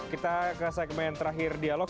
kita ke segmen terakhir dialog